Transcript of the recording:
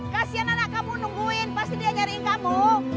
kasian anak kamu nungguin pasti dia nyariin kamu